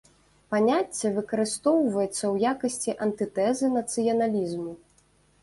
Паняцце выкарыстоўваецца ў якасці антытэзы нацыяналізму.